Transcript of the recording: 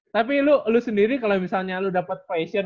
tapi lu sendiri kalo misalnya lu dapet passion